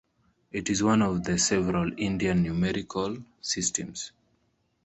It is one of several Indian numeral systems.